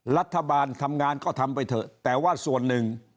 รัฐบาลทำงานก็ทำไปเถอะแต่ว่าส่วนหนึ่ง